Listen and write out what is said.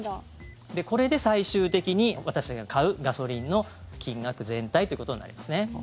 これで最終的に私たちが買うガソリンの金額全体ということになりますね。